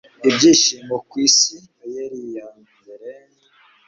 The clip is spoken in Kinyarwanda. Ibyishimo ku Isi Noel ya mbere na Hanze Manger